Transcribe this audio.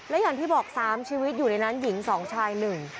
และอย่างที่บอก๓ชีวิตอยู่ในนั้นหญิง๒ชาย๑